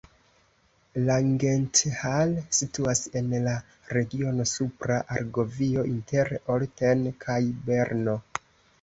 Langenthal situas en la regiono Supra Argovio inter Olten kaj Berno.